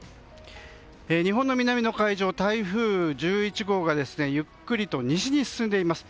日本の南の海上、台風１１号がゆっくりと西に進んでいます。